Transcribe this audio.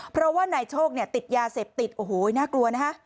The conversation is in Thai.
เพราะว่านายโชคเนี่ยติดยาเสพติดโอ้โหน่ากลัวนะฮะ